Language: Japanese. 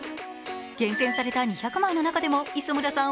厳選された２００枚の中でも磯村さん